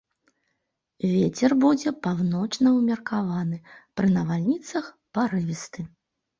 Вецер будзе паўночны ўмеркаваны, пры навальніцах парывісты.